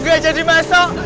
gue aja dimasuk